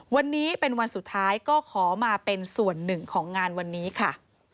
วันนี้เป็นวันสุดท้ายก็ขอมาเป็นส่วนหนึ่งของงานวันนี้ค่ะ